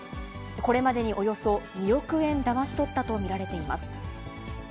これまでにおよそ２億円だまし取ったと見られています。